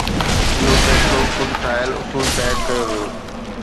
اهو فيصلو خود ٺاهيل اصول تحت ڪيو ويو